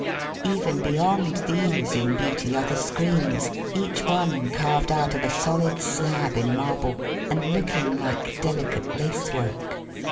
Even beyond these in beauty are the screens, each one carved out of a solid slab in marble and looking like delicate lace work.